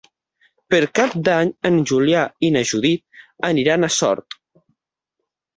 Per Cap d'Any en Julià i na Judit aniran a Sort.